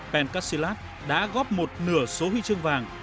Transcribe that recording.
pencastilat đã góp một nửa số huy chương vàng